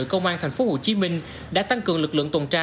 công an thành phố hồ chí minh đã tăng cường lực lượng tồn tra